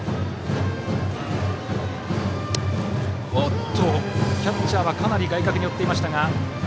おっとキャッチャーはかなり外角に寄っていましたが。